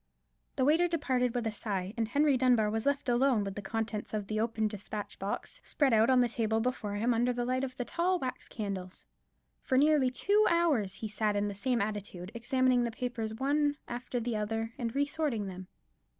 The waiter departed with a sigh; and Henry Dunbar was left alone with the contents of the open despatch box spread out on the table before him under the light of the tall wax candles. For nearly two hours he sat in the same attitude, examining the papers one after the other, and re sorting them.